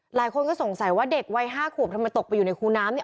หลายคนก็สงสัยว่าเด็กวัย๕ขวบทำไมตกไปในครูน้ำ